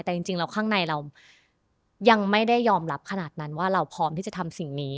แต่จริงแล้วข้างในเรายังไม่ได้ยอมรับขนาดนั้นว่าเราพร้อมที่จะทำสิ่งนี้